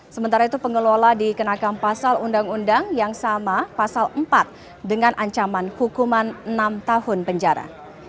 sementara itu pengelola dikenakan pasal undang undang yang sama pasal empat dengan ancaman hukuman enam tahun penjara